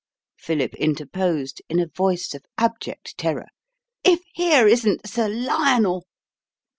Philip interposed in a voice of abject terror. "If here isn't Sir Lionel!"